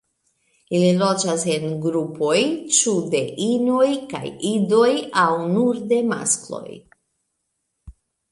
Ili loĝas en grupoj ĉu de inoj kaj idoj aŭ nur de maskloj.